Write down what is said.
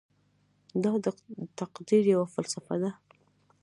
دا د تقدیر یوه فلسفه ده.